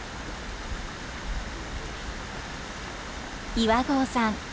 岩合さん